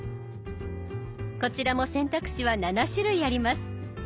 こちらも選択肢は７種類あります。